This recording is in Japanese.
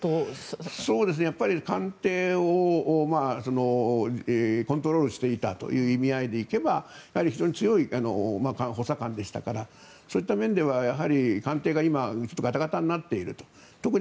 官邸をコントロールしていたという意味合いで行けば非常に強い補佐官でしたからそういった面では官邸が今、ガタガタになっていると。